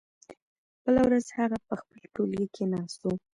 بله ورځ هغه په خپل ټولګي کې ناست و.